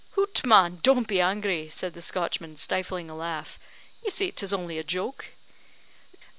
"Hout, man, don't be angry," said the Scotchman, stifling a laugh; "you see 'tis only a joke!"